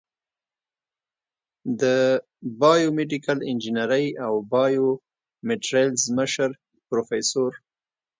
د بایو میډیکل انجینرۍ او بایومیټریلز مشر پروفیسر